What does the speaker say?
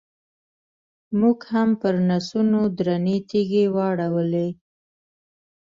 موږ هم پرنسونو درنې تیږې واړولې.